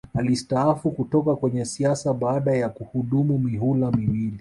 Alistaafu kutoka kwenye siasa baada ya kuhudumu mihula miwili